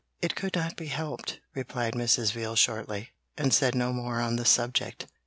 'It could not be helped,' replied Mrs. Veal shortly, and said no more on the subject.